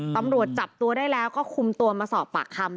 ตำรวจจับตัวได้แล้วก็คุมตัวมาสอบปากคำ